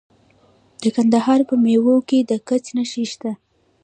د کندهار په میوند کې د ګچ نښې شته.